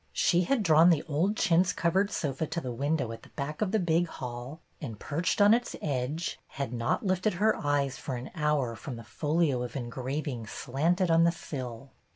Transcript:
She had drawn the old chintz covered sofa to the window at the back of the big hall and, perched on its edge, had not lifted her eyes for an hour from the folio of engrav ings slanted on the sill.